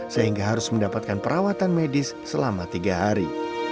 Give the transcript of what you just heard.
sehingga harus mendapatkan perawatan medis selama tiga hari